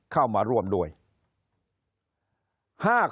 คนในวงการสื่อ๓๐องค์กร